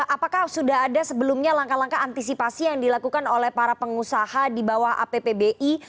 apakah sudah ada sebelumnya langkah langkah antisipasi yang dilakukan oleh para pengusaha di bawah appbi